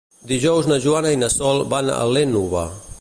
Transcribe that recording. Dijous na Joana i na Sol van a l'Énova.